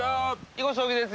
囲碁将棋です。